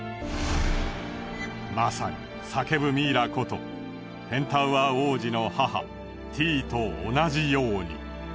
まさに叫ぶミイラことペンタウアー王子の母ティイと同じように。